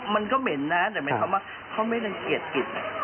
มันก็เหม็นนะเดี๋ยวไม่เข้ามาเขาไม่น่าเกลียดกิฟต์